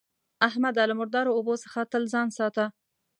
احمده! له مردارو اوبو څخه تل ځان ساته.